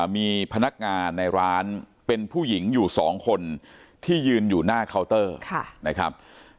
มีพนักงานในร้านเป็นผู้หญิงอยู่๒คนที่ยืนอยู่หน้าเคาน์เตอร์นะครับ